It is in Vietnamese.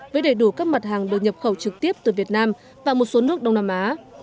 với đầy đủ các mặt hàng được nhập khẩu trực tiếp từ việt nam và một số nước đông nam á